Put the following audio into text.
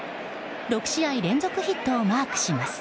６試合連続ヒットをマークします。